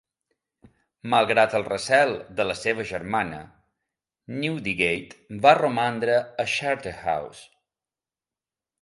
Malgrat el recel de la seva germana, Newdigate va romandre a Charterhouse.